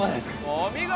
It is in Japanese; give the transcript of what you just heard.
お見事！